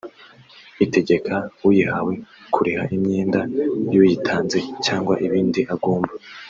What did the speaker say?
itegeka uyihawe kuriha imyenda y’uyitanze cyangwa ibindi agomba